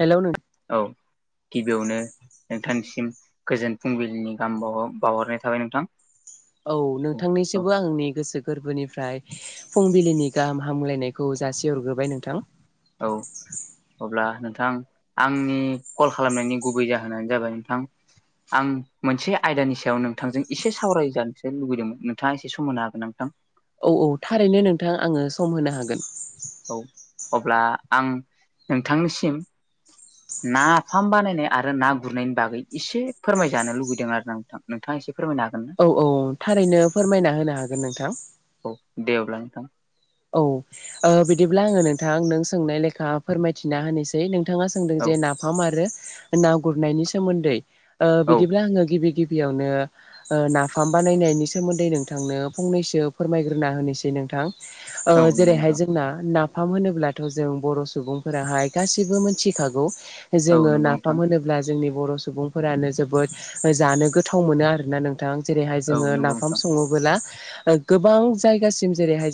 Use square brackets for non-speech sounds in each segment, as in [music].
हेल' न [inaudible] औ गिबियावनो नोंथांनिसिम औ औ नोंथांनिसोबो आंनि गोसो गोरबोनिफ्राय फुंबिलिनि गाहाम हामलायनाय खौ जासि हरग्रोबाय नोंथां नोंथ आंनि कल खालामनायनि गुबै जाहोनानो जाबाय नोंथां आं मोनसे आइ [inaudible] आयदानि सायाव नोंथांजों एसे सावरायजानोसो लुुबैदोंमोन नोंथाङा एसे सम मोननो हागोन नोंथां औ औ थारैनो नोंथां आङो सम होनो हागोन औ अब्ला आं नोंथांनिसिम नाफाम बानायनाय आरो ना गुरनायनि बागै एसे फोरमायजानो लुुबैदों आरो नोंथां नोंथाङा एसे फोरमायनो हागोन ना औ औ थारैनो फोरमायना होनो हागोन नोंथां औ दे अब्ला नोंथां औ बिदिब्ला आङो नोंथां नों सोंनाय लेखा फोरमायथिना होनोसै नों नोंथाङा सोंदों औ जे नाफाम आरो ना गुरनायनि सोमोन्दै औ बिदिब्ला आङो गिबि गिबि बेयावनो नाफाम बानायनायनि सोमोन्दै नोंथांनो फंनैसो फोरमायग्रोना होनोसै नोंथां औ नंगौ जेरैहाय नोंथां जोंना ना नाफाम होनोब्लाथ' जों बर' सुबुंफोराहाय गासैबो मोनथिखागौ औ जोङो नंगौ नाफाम नोंथां होनोब्ला जोंनि बर' सुबुंफोरानो जोबोद जानो गोथाव मोनो आरोना नों जेरैहाय औ जोङो नंगौ नाफाम नोंथां सङला गोबां जायगासिम जेरैहाय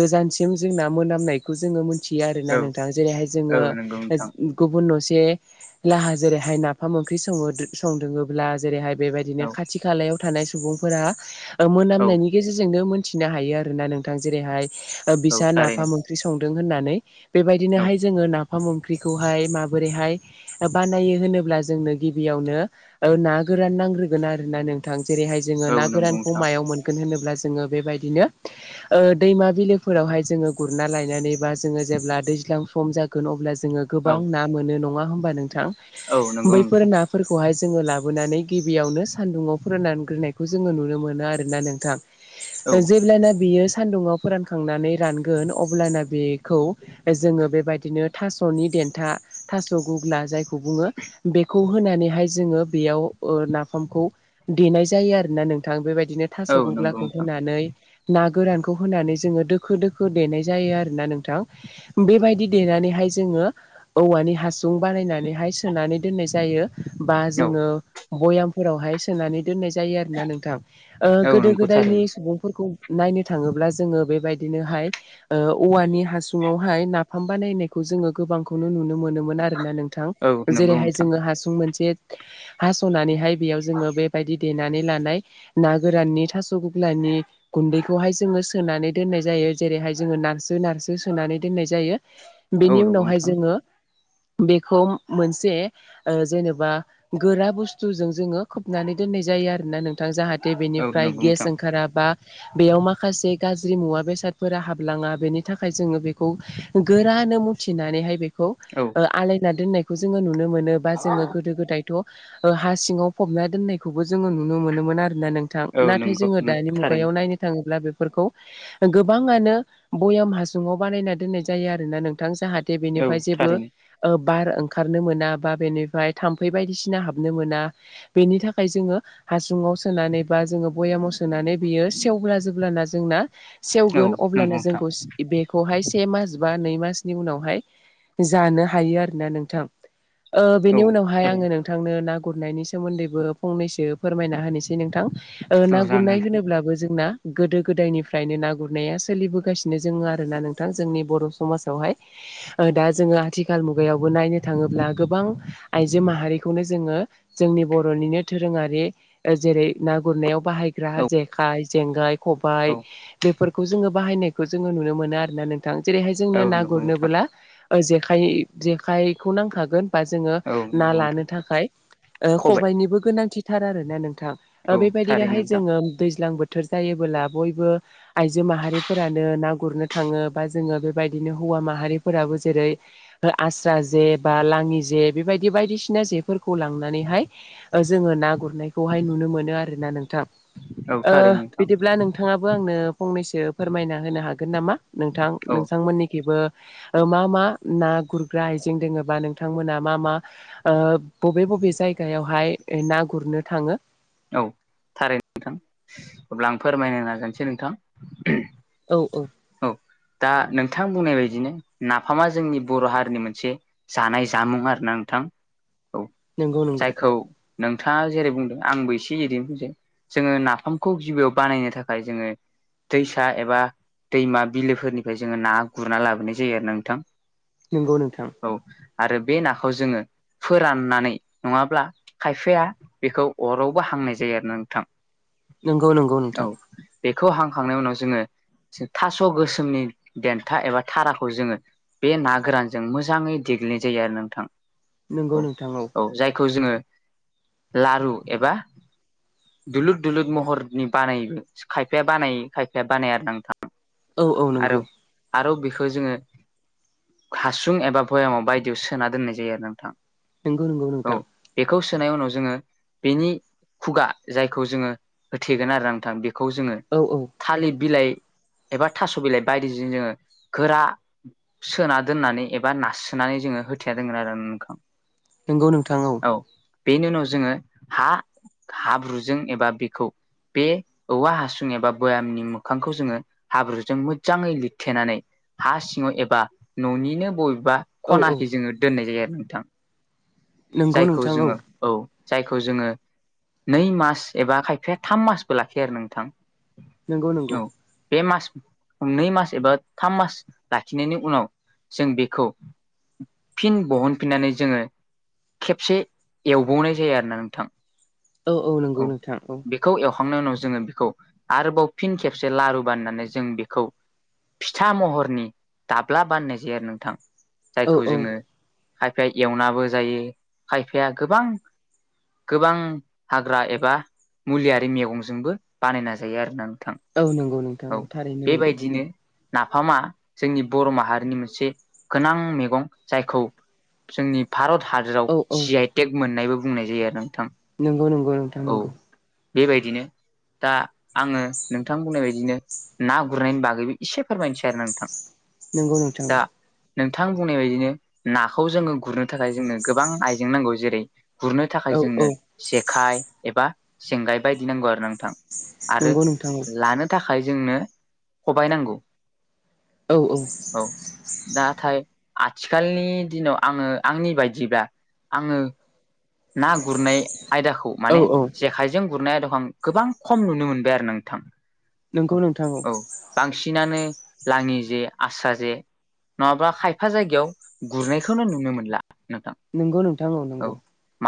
जजानसिम जों मोनामनाय ज मिथियो आरोना औ नोंथा जेरैहाय औ जोङो नंगौ नोंथां गुबुन न' ला जेरैहाय नाफाम ओंख्रि स संदङोबब्ला जेरैहाय बेबायदिनो औ खाथि खालायाव थानाय सुबुंफोरा औ मोनामनायनि गेजेरजोंनो मोनथिनो हायो आरो ना नोंथां जेरैहाय बि औ थारैनो नाफाम ओं संदों होननानै औ बेबायदिनोाय जो नाफाम ओंख्रिखौहाय माबोरैहाय बानायो होनोब्ला जोंनो गिबियावनो गोरान नांग्रोगोन आरोना नोंथां जेरैहाय जोङो औ ना नंगौ गोरानखौ नोंथां मायाव मोनगोन होनोब्ला जोङो बेबायदिनो दैमा बिलोफोरावहाय जोङो गुरना लायनानै बा जोङो जेब्ला दैज्लां सम जागोन अब्ला जोङो औ गोबां ना मोनो नङा होम्बा नोंथां औ नंगौ बैफोर नोंथां नाफोरखौहाय जोङो लाबोनानै। गिबियावनो सान्दुङाव फोराननानैग्रोनायखौ जोङो नुनो मोनो आरोना नोंथां औ जेब्लाना बियो सान्दुंआव फोरानखांनानै रानगोन अब्लाना बे जोङो बेबायदिनो था नि देन्था थास' गुग्ला जायखौ बुङो बेखौ होनानैहाय जोङो बेयाव नाफामखौ देनाय जायो आरोोना नोंथ बेबाय दिनो थास' औ नंगौ गग्लाखौ नोंथां होनानै ना गोरानखौ होनानै जोङो दोखो दोखो देनाय जायो आरोना नोंथां बेबायदि देनानैहाय जों जोङो औवानि हासुं बानायनानै हाय सोनानै दोननाय जायो बा औ जोङो बयामफोरावहाय सोनानानै दोननाय जायो आरोना नोंथां औ गोदो नंगौ गोदायनि थारैनो सुबुंफोरखौ नायनो थाङोब्ला जोङो बेबायदिनोहाय औवानि हासु ङावहाय नाफाम बानायनायखौ जोङो गोबांखौनो नुनो मोनोमोन आरोना नों थां औ नंगौ जेरैह नोंथां जोङो हासुं मोनसे हासनानैहाय बेयाव जोङो बेबायदि देनानै लानाय ना गोराननि थास' गुफ्लानि गुन्दैखौहाय जोङो सोनानै दोननाय जायो जेरैहाय जोङो नारसो नारसो सोनानै दोननाय जायो। औ बेनि नंगौ उनावहाय नोंथां जोङो बेखौ मोनसे ओ जेनेबा गोरा बुस्थुजों जोङो खोबनानै दोननाय जा यो आरोना नोंथां जाहाथे औ बेनिफ्राय नंगौ गेस नोंथां ओंखारा बा बेयाव माखासे गाज्रि मुवा बेसादफोरा हाबलाङा बेनि थाखाय जोङो बेखौ गोरा मुथिनानैहाय बेखौ औ आलायना दोननायखौ जोङो नुनो मोनो बा जोङो गोदो-गोदाय था हा सिङाव फबना दोननायखौबो जोङो नुनो मोनोमोन आरो ना नोंथां औ नाथाय नंगौ जोङो दानि मुगायाव थारैनो नायनो थाङोब्ला बे फोरखौ गोबाङानो भयाम हासुङाव बानायना दोननाय जायो आरोना नोंथां जाहा औ बेनिफ्राय जेबो थारैनो ओ बार ओंखारनो मोना बा बेनिफ्राय थाम्फै बायदिसिना हाबनो मोना बेनि थाखाय जोङो हासुङाव सोनानै बा जोङो बयामाव सोनानै बियो सेवब्ला जेब्लाना जोंना औ सेवगोन नंगौ अब्लाना नोंथां जोंखौ बेखौहाय से मास बा नै मासनि उनाव हाय जानो हायो आरोना नोंथां औ बेनि उनावहाय थारैनो आङो नोंथांनो ना गुरनायनि सोमोन्दैबो फंनैसो फोरमायना होनोसै नोंथां ओ औ ना जागोन दे गुरनाय होनो नोंथां जोंना गोदो-गोदायनिफ्रायनो ना गुरनाया सोलिबोगासिनो जोङो आरोना नोंथां जोंनि बर' समाजाव दा जोङो आथिखाल मुगायावबो नायनो थाङोब्ला गोबां आइजो माहारिखौनो जोङो जोंनि बर'निनो दोरोारि जेरै ना गुरनायाव बाहायग्रा औ जेखाय, जेंगाय, खबाय औ बेफोर बे खौ जोङो बाहायनायखौ जोङो नुनो मोनो आरोना नोंथां जेरैहाय औ जोंनो ना नंगौ नोंथां गुरनोबोब्ला ओ जेखाइ जेखाइखौ नांखागोन बा जोङो औ ना नंगौ नोंथां लानो थाखाय खबाय खबायनिबो गोनांथिथार आरोना नोंथां औ थारैनो बेबायदिनोहाय नोंथां जोङो दै ज्लां बोथोर जायोबोला बयबो आइजो माहारिफोरानो ना गुरनो थाङो बा जोङो बेबायदि बिदिनो हौवा माहारिफोराबो जेरै आस्रा जे बा लाङि जे बेबायदि बायदिसिना जे बेफोरखौ लांनानैहाय जोङो ना गुरनायखौहाय नुनो मोनो आरोना नोंथां औ ओ थारैनो नोंथां बिदिब्ला नोंथाङाबो आंनो फंनैसो फोरमायना होनो हागोन नामा नोंथां औ नोंथां मोननिखिबो ओ मा मा ना गुरग्रा आइजें दोङोबा नोंथांमोना मा मा ओ बबे ब बे जायगायावहाय ना गुरनो थाङो। औ थारैनो नोंथां अब्ला आं फोरमायनो नाजसै नोंथां। औ औ दा नोंथां बुंनाय बायदिनो नाफामा जोंनि बर' हारिनि मोनसे जानाय जामुं आ रो नोंथां औ नंगौ नंगौ जायखौ नोंथाङा जेरै बुंदों आंबो एसे एरैनो फै जोङो नाफामखौ गिबियाव बानायनो थाखाय जोङो दैसा एबा दैमा बिलोफोरनिफ्राय जोङो ना गुरना लाबोनाय जायो आरो नोंथां नंगौ नोंथां औ आरो बे नाखौ जोङो फोराननानै नङाब्ला खायफाया बेखौ अराव बो हांनाय जायो आरोना नोंथां। नंगौ नंगौ नोंथां। खौ हांखांनायनि उनाव जोङो थास' गोसोमनि देन्था एबा थाराखौ जोङो बे ना गोरानजों मोजाङै दे ग्लिनाय जायो आरो नोंथां। नोंगौ नोंथां औ। लारु एबा दुलुर दुलुर महरनि बानायोबो खायफाया बानायो खायफाया बानाया आरो ना नोंथां। औ औ नोंगौ। खौ जोङो हासुं एबा भयामाव बायदियाव सोना दोननाय जायो आरो ना नोंथां। नोंगौ नोंगौ औ नोंथां। बेखौ सोनाय उनाव जोङो बेनि खुगा जायखौ जोङो होथेगोन आरो ना नोंथां बे खौ जोङो औ औ थालिर बिलाइ एबा थास' बिलाइ बायदिजों जोङो गोरा सोना दोननानै एबा नाससोनानै जोङो होथेना दोनगोन आरो आ नों नोंगौ नोंथां औ। बेनि उनाव जोङो हा हाब्रुजों एबा बेखौ बे औवा हासुं एबा बयामनि मोखांखौ जोङो हाब्रुजों मोजाङै लिरथेनानै हा सिङाव एबा न'निनो बय बा औ औ खनाखि जोङो दोननाय जायो आरो नोंथां नंगौ जायखौ नोंथां जोङो औ जायखौ जोङो नै मास एबा खायफाया थाम मासबो लाखियो आरो नोंथां। नंगौ नंगौ औ बे मास नै मास एबा थाम मास लाखिनायनि उनाव जों बेखौ फिन बहनफिननानै जोङो खेबसे एवबावनाय जायो आरोना नोंथां। औ औ नोंगौ नोंथां औ। खांनाय उनाव जोङो बिखौ आरोबाव फिन खेबसे लारु बानायनानै जों बेखौ फिथा महरनि दाब्ला बानायनाय जायो आरो नोंथां औ जायखौ औ जोङो खायफाया एवनाबो जायो खायफाया गोबां गोबां हाग्रा एबा मुलियारि मेगंजोंबो बानायना जायो आरो नों थां औ नंगौ नोंथां औ थारैनो नंगौ बेबायदिनो नाफामा जोंनि बर' माहारिनि मोनसे गोनां मेगं जायखौ जोंनि भारत हादोराव औ औ जि आइ टेक मोननायबो बुंनाय जायो आरोना नोंथां। नोंगौ नोंगौ नोंथां औ नोंगौ। बेबायदिनो दा आङो नोंथां बुंनाय बायदिनो ना गुरनायनि बागैबो इसे फोरमायनोसै आरोना नोंथां। नोंगौ नोंथां। दा नोंथां बुंनाय बायदिनो नाखौ जोङो गुरनो थाखाय जोंनो गोबां आइजें नांगौ जेरै गुरनो औ थाखाय औ जोंनो जे एबा जेंगाय बायदि नांगौ आरो नोंथां आरो नंगौ नोंथां लानो था खाय जोंनो खबाय नांगौ औ नाथाय आथिखालनि दिनाव आङो आंनि बायदिब्ला आङो ना गुरनाय आयदाखौ औ माने औ जेखाइजों गुरनाय आयदाखौ आं गोबां खम नुनो मोनबाय आरो ना नोंथां। नंगौ नोंथां औ बांसिनानो लाङि जे आस्रा जे नङाबा खायफा जायगायाव गुरनायखौनो नुनो मोनला। नोंगौ नोंथां औ नोंगौ।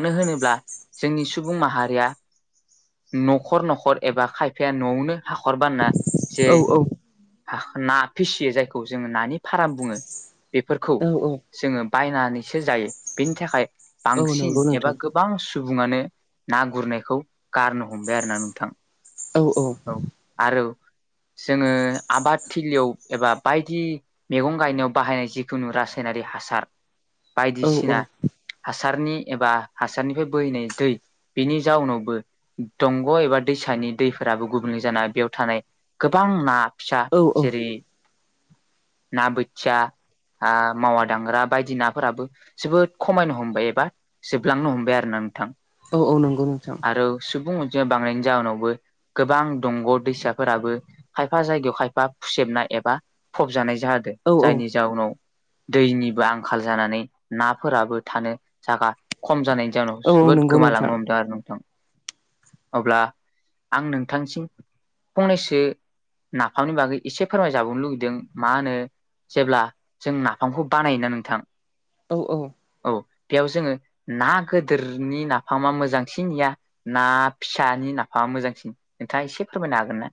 नो होनोब्ला जोंनि सुबुं माहारिया न'खर न'खर एबा खायफाया न'आवनो हाखर बानायना जे औ औ हाख ना फिसियो जायखौ जोङो नानि फाराम बुङो बेफोरखौ औ औ जोंङो बायनानैसो जायो बेनि थाखाय औ बांसिन नंगौ एबा नोंथां गोबां सुबुंङानो ना गुरनायखौ गारनो हमबाय आरो ना नोंथां औ आरो जोङो आबाद थिलियाव एबा बायदि मेगं गायनायाव बाहायनाय जिखुनु रासाय नारि हासार औ बायदिसिना हास हासारनि एबा हासारनिफ्राय बोहैनाय दै बिनि जाउनावबो दंग' एबा दैसानि दै फोराबो गुबुंलै जाना बेयाव थानाय गोबां ना फिसा औ जेरै ना बोथिया आ मावा दांग्रा बायदि नाफोराबो जोबोद खमायनो हमबाय एबा जोबलांनो हमबाय आरो ना नोंथां औ औ नंगौ नोंथां ज बांनि जाहोनावबो गोबां दंग' दैसाफोराबो खायफा जायगायाव खायफा फुसेबनाय एबा फबजानाय जादों औ औ जायनि जाउनाव दैनिबो आंखाल जानानै नाफोराबो थानो जागा खम जानाय जनाव औ औ जोबोद नंगौ नोंथां गोमालांनो हमदों आरो नोंथां अब्ला आं नोंथांसिम फंनैसो नाफामनि बागै एसे फोरमाय जाबावनो लुुबैदों मा होनो जेब्ला जों नाफामखौ बानायोना नोंथां औ औ औ बेयाव जोंङो ना गोदोरनि नाफामा मोजांसिन या ना फिसानि नाफाङा मोजांसिन नोंथाङा एसे फोरमायनो हागोन ना?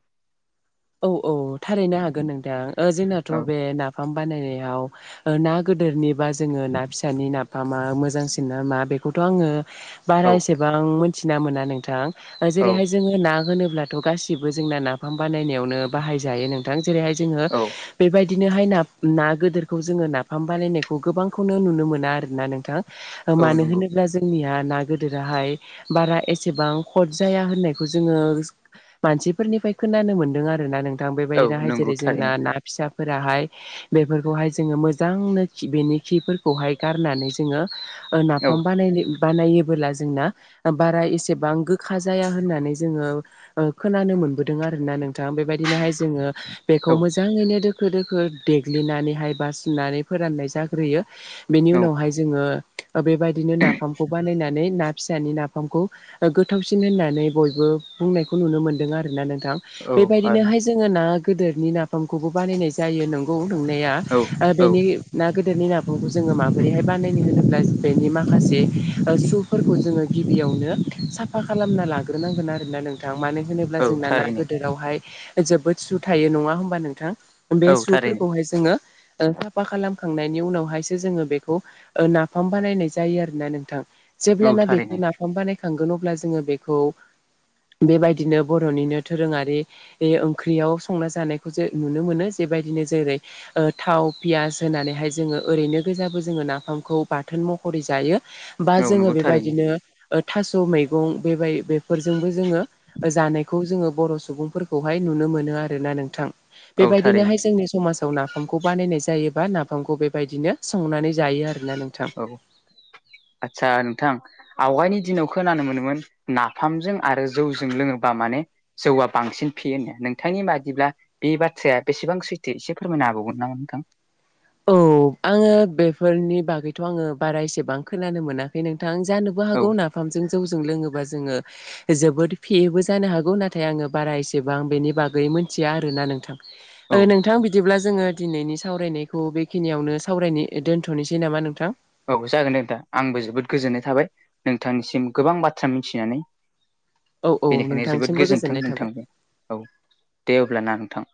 औ औ थारैनो हागोन नोंथां जोंनाथ' औ बे ना फाम बानायनायाव ना गोदोरनिबा जोङो ना फिसानि ना फा मा मोजांसिन ना मा बेखौथ' आंङो औ बारा एसेबां मोनथिना मोना नोंथां औ जेरैहाय जोङो ना होनोब्लाथ' गासिबो जोंना नाफाम बानायनायावनो बाहायजायो नोंथां जेरैहाय जोंङो औ बेबाय दिनोहाय ना ना गदोरखौ जोङो नाफाम बानायायनायखौ गोबांखौनो नुनो मोना आरोना नोंथां औ मानो नंगौ होनोब्ला जोंनिया ना गोदिराहाय बारा एसेबां हद जाया होननायखौ जोङो मानसिफोरनि फाय खोनानो मोनदों आर ना नोंथां औ बेबायदिनोहाय नंगौ जेरै जोंना थारैनो ना फिसा फोराहाय बेफोरखौहाय जोंङो मोजांनो खि बेनि खिफोरखौहाय गारनानै जोंङो औ नाफाम बानायनाय बानायोबोला जोंना बारा एसेबां गोखा जाया होननानै जोंङो खोनानो मोनदों आरोना नोंथां बेबायदिनोहाय जोङो बेखौ औ मोजाङैनो दोखो दोखो देग्लिनानैहाय बाासुनानै फोराननाय जाग्रोयो बेनि औ उनावहाय जोङो बेबायदिनो नाफामखौ बानायनानै ना फिसानि नाफामखौ गोथावसिन होननानै बयबो बुंनायखौ नुनो मोन्दों आरोना नोंथां औ आरो बेबायदिनोहाय जोङो ना गदोरनि नाफामखौबो बानायनाय जायो नोंगौ नंनाया औ आ औ बेनि ना गोदोनि नाफखौ जोङो माबोरैहाय बानायनो होनोब्ला बेनि माखासे सुफोरखौ जोङो गिबि नो साफा खालामना लाग्रोनांगोन आरोना नोंथां मानो होनोब औ जोंना ना थारैनो हाय जोबोद सु थायो नङा हबा नोंथां बे औ थारैनो सुफोरखौहाय जोंङो साफा खालामखांनायनि उनावहायसो जोङो बेखौ नाफाम बानायनाय जायो आरो ना नोंथां औ जेब्लाना बेखौ थारैनो नाफाम बानाय थांगोन अब्ला जोंङो बेखौ बेबायदिनो बर'निनो दोरोङारि ए ओंख्रियाव संना जानायखौ जे नुनो मोनो जेबायदिनो जेरै थाव पियास होनानैहाय जोङो ओरैनो गोजाबो जोङो नाफामखौ बाथोन महरै जायो बा औ जोङो नंगौ थारैनो बेबायदिनो थास मैगं बेबाय बेफोरजोंबो जोङो जानायखौ जोङो बर सुबुंफोरखौहाय नुनो मोनो आरोना नोंथां औ थारैनो बेबायदिनोहाय जोंनि समाज आव नाफामखौ बानायनाय जायो बा नाफामखौ बेबायदिनो संनानै जायो आरोना नोंथां। औ आदसा नोंथां आवगायनि दिनाव खोनानो मोनोमोन नाफामजों आरो जौजों लोङोबा माने जौआ बांसिन फेयोनो होना नोंथांनि बादिब्ला बे बाथ्राया बेसेबां सैथो एसे फोरमायनो हाबावगोन नामा नोंथां? औ आङो बेफोरनि बागैथ आङो बारा एसेबां खोनानो मोनाखै नों थां जानोबो औ हागौ नाफामजों जौजो जों लोङोबा जोङो जोबोद फेयोबो जानो हागौ नाथाय आङो बारा एसेबां बेनि बागै मि मिथिया आरोना नोंथां औ ओ नोंथां बिदिब्ला जोङो दिनैनि सावरायनायखौ खौ बेखिनियावनो सावरायनो दोन्थनोसै नामा नोंथां? औ जागोन दे नोंथां आंबो जोबोद गोजोननाय थाबाय नोंथांनिसिम गोबां बाथ्रा मिथिनानै औ औ बेनिखायनो जोबोद नोंथांसिमबो गोजोन्थों गोजोननाय थाबाय नोंथाजों औ दे अब्लाना नोंथां